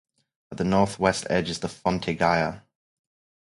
At the northwest edge is the Fonte Gaia.